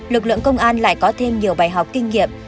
lực lượng công an lại có thêm nhiều bài học kinh nghiệm